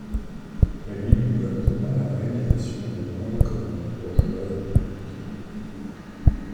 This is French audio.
La ville lui doit notamment la réalisation de grandes commandes bourgeoises ou publiques.